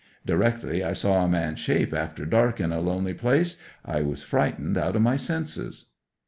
Directly I saw a man's shape after dark in a lonely place I was frightened out of my senses.